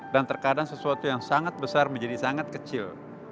dan terkadang sesuatu yang sangat besar menjadi sangat kecil